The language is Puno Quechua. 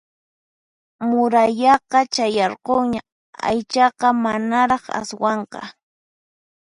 Murayaqa chayarqunñan aychaqa manaraq aswanqa